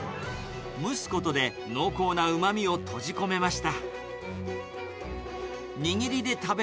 蒸すことで濃厚なうまみを閉じ込めました。